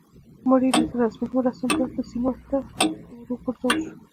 مړی یې له رسمي مراسمو پرته سیند ته ور وغورځول شو.